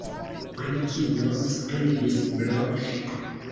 Pri kio skribis Blok?